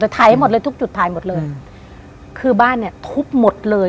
ถ่ายหมดเลยทุกจุดถ่ายหมดเลยคือบ้านเนี้ยทุบหมดเลย